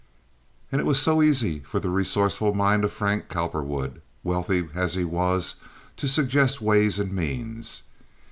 And it was so easy for the resourceful mind of Frank Cowperwood, wealthy as he was, to suggest ways and means.